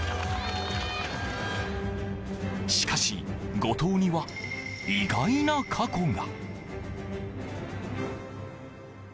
しかし、後藤には意外な過去が。